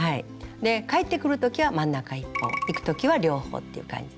返ってくる時は真ん中１本行く時は両方っていう感じで。